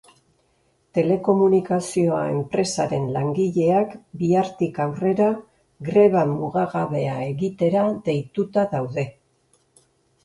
Telekomunikazioa enpresaren langileak bihartik aurrera greba mugagabea egitera deituta daude.